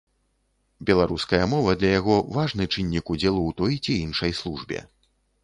Беларуская мова для яго важны чыннік удзелу ў той ці іншай службе.